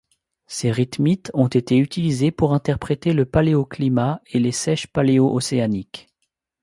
Ces rythmites ont été utilisés pour interpréter le paléoclimat et les seiches paléo-océaniques.